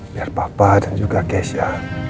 biar papa dan juga keisyah